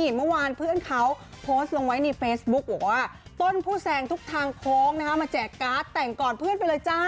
ตอบจากสาวแต้วนักทภพรกันเลยค่า